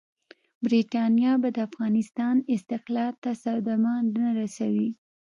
برټانیه به د افغانستان استقلال ته صدمه نه رسوي.